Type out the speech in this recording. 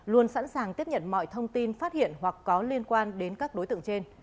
luôn sẵn sàng tiếp nhận mọi thông tin phát hiện hoặc có liên quan đến các đối tượng trên